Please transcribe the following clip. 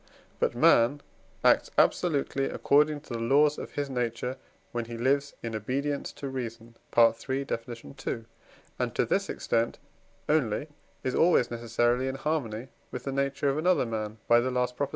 But man acts absolutely according to the laws of his nature, when he lives in obedience to reason (III. Def. ii.), and to this extent only is always necessarily in harmony with the nature of another man (by the last Prop.)